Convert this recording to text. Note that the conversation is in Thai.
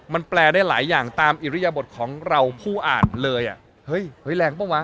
มันแปลได้หลายอย่างตามอิริยบทของเราผู้อ่านเลยอะ